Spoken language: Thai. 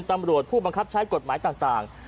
ตำรวจผู้บังคับใช้กฎหมายต่าง